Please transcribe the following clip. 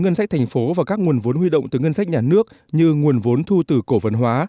ngân sách thành phố và các nguồn vốn huy động từ ngân sách nhà nước như nguồn vốn thu từ cổ phần hóa